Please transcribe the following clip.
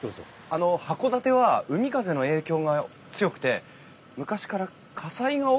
あの函館は海風の影響が強くて昔から火災が多かったから。